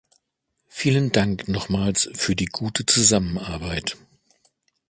Vielen Dank nochmals für die gute Zusammenarbeit!